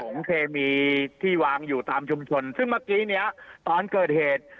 เคมีที่วางอยู่ตามชุมชนซึ่งเมื่อกี้เนี้ยตอนเกิดเหตุ